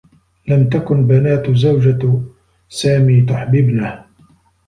لم تكن بنات زوجة سامي تحببنه.